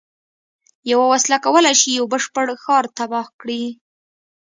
یوه وسله کولای شي یو بشپړ ښار تباه کړي